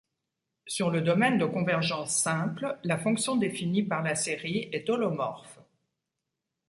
Sur le domaine de convergence simple, la fonction définie par la série est holomorphe.